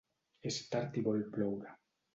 És tard i vol ploure.